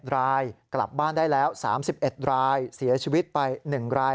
รายกลับบ้านได้แล้ว๓๑รายเสียชีวิตไป๑ราย